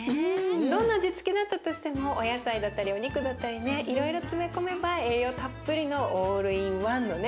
どんな味付けだったとしてもお野菜だったりお肉だったりねいろいろ詰め込めば栄養たっぷりのオールインワンのね